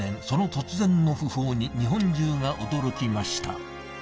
その突然の訃報に日本中が驚きました